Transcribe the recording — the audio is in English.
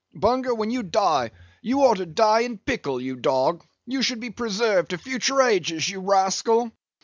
Bunger, when you die, you ought to die in pickle, you dog; you should be preserved to future ages, you rascal."